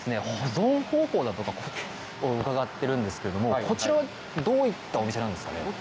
保存方法だとかを伺ってるんですけどもこちらはどういったお店なんですかね？